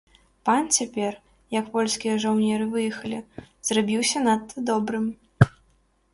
Пан цяпер, як польскія жаўнеры выехалі, зрабіўся надта добрым.